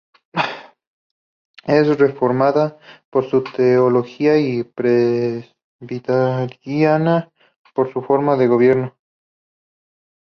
Es reformada por su teología y presbiteriana por su forma de gobierno.